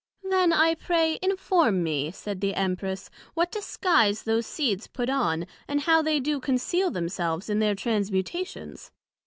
Then, I pray inform me, said the Empress, what disguise those seeds put on, and how they do conceal themselves in their Transmutations?